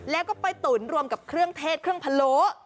แล้วก็ไปตุ๋นรวมกับเครื่องเทศเครื่องพะโล้